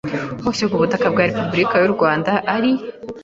hose ku butaka bwa Repubulika y u Rwanda ari